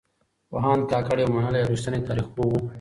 پوهاند کاکړ يو منلی او رښتينی تاريخ پوه و.